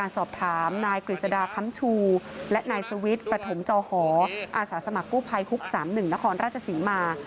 สอบถามนายกฤษฎาค้ำชูและนายสวิทย์ประถมจอหออาสาสมัครกู้ภัยฮุก๓๑นครราชศรีมา